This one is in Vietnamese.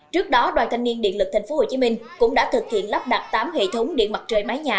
trước đó đoàn thanh niên điện lực tp hcm cũng đã thực hiện lắp đặt tám hệ thống điện mặt trời mái nhà